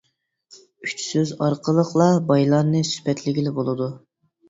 ئۈچ سۆز ئارقىلىقلا بايلارنى سۈپەتلىگىلى بولىدۇ.